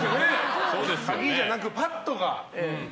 鍵じゃなくパットが。